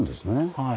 はい。